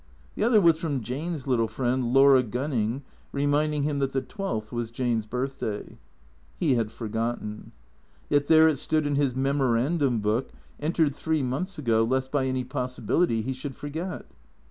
The other was from Jane's little friend, Laura Gunning, reminding him that the twelfth was Jane's birthday. He had forgotten. Yet there it stood in his memorandum book, entered three months ago, lest by any possibility he should forget.